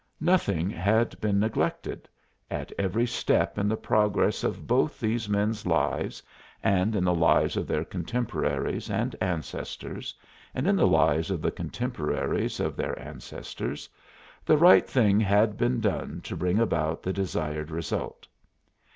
Nothing had been neglected at every step in the progress of both these men's lives, and in the lives of their contemporaries and ancestors, and in the lives of the contemporaries of their ancestors, the right thing had been done to bring about the desired result.